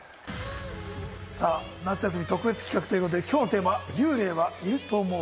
夏休み特別企画ということで、きょうのテーマは幽霊はいると思う？